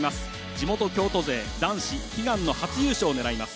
地元・京都勢男子悲願の初優勝を狙います。